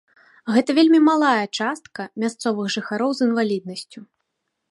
Гэта вельмі малая частка мясцовых жыхароў з інваліднасцю.